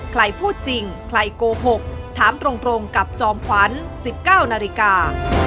ใครพูดจริงใครโกหกถามตรงกับจอมขวัญ๑๙นาฬิกา